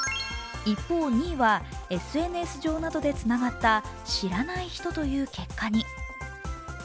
一方、２位はＳＮＳ上などでつながった知らない人という結果に。